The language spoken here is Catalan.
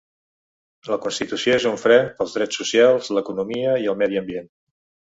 La constitució és un fre pels drets socials, l’economia i el medi ambient.